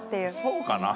「そうかな？」